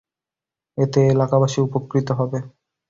এতে এলাকাবাসী উপকৃত হবে।